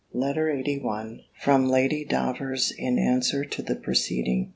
LETTER LXXXI From Lady Davers, in answer to the preceding.